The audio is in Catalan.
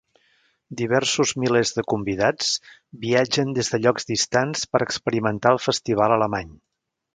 Diversos milers de convidats viatgen des de llocs distants per a experimentar el festival alemany.